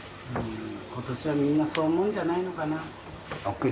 今年はみんなそう思うんじゃないのかな。